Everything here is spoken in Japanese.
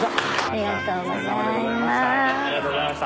ありがとうございます。